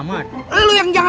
tidak ada yang bercanda